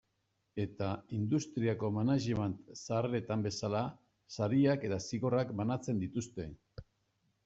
Eta industriako management zaharretan bezala, sariak eta zigorrak banatzen dituzte.